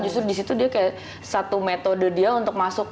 justru disitu dia kayak satu metode dia untuk masuk